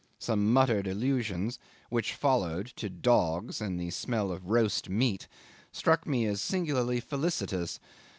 Some muttered allusions, which followed, to dogs and the smell of roast meat, struck me as singularly felicitous.